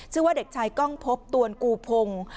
ชื่อว่าเด็กชายกล้องพบตวนกูพงศ์